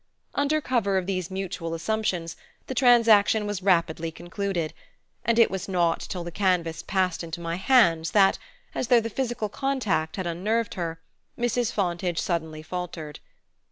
Under cover of these mutual assumptions the transaction was rapidly concluded; and it was not till the canvas passed into my hands that, as though the physical contact had unnerved her, Mrs. Fontage suddenly faltered.